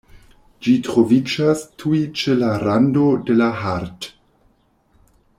Ĝi troviĝas tuj ĉe la rando de la Haardt.